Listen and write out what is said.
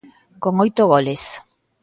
Con oito goles.